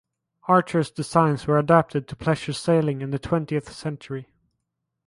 Archer's designs were adapted to pleasure sailing in the twentieth century.